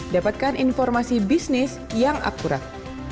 dapatkan informasi bisnis yang akurat